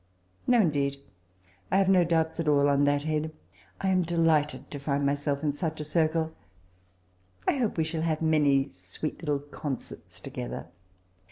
*'' No, indeed, I have no doubts at all on that head. I am delighted to find myself in such a circle : I hope we shall have many sweet lltUe concerts together.